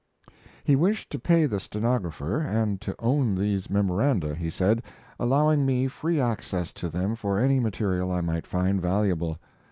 ] He wished to pay the stenographer, and to own these memoranda, he said, allowing me free access to them for any material I might find valuable.